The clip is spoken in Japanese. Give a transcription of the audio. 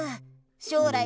しょうらい